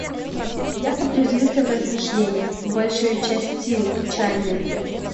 Я погрузился в размышления, большею частию печальные.